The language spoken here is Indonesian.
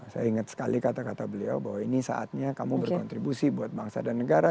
saya ingat sekali kata kata beliau bahwa ini saatnya kamu berkontribusi buat bangsa dan negara